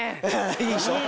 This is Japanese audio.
いいでしょう？